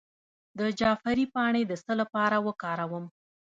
د جعفری پاڼې د څه لپاره وکاروم؟